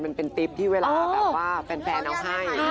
มันเป็นติ๊ปที่เวลาแฟนเอาให้